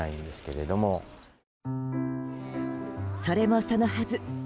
それもそのはず。